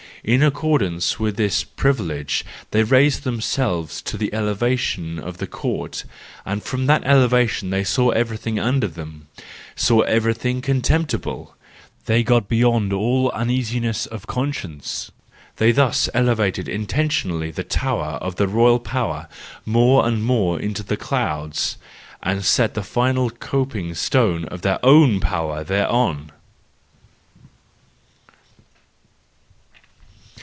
As in accordance with this privilege they raised themselves to the elevation of the court, and from that elevation saw everything under them,—saw everything con¬ temptible,—they got beyond all uneasiness of con¬ science. They thus elevated intentionally the tower of the royal power more and more into the clouds, and set the final coping stone of their own power thereon.